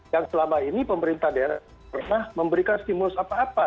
yang selama ini pemerintah daerah pernah memberikan stimulus apa apa